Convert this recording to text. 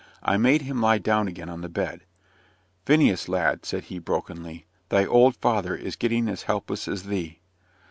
I made him lie down again on the bed. "Phineas, lad," said he, brokenly, "thy old father is getting as helpless as thee."